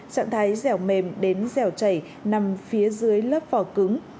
trạng thái dẻo mềm đến dẻo chảy nằm phía dưới lớp phò cứng